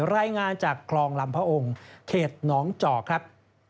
รายงานจากคลองลำพระองค์เขตน้องจอกครับ